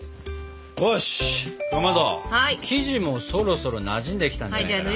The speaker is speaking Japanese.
よしかまど生地もそろそろなじんできたんじゃないかな。